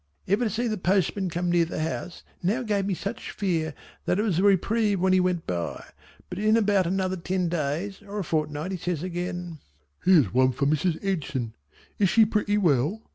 Ever to see the postman come near the house now gave me such I fear that it was a reprieve when he went by, but in about another ten days or a fortnight he says again, "Here's one for Mrs. Edson. Is she pretty well?"